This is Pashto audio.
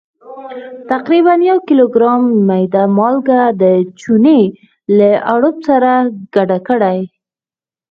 تقریبا یو کیلوګرام میده مالګه د چونې له اړوب سره ګډه کړئ.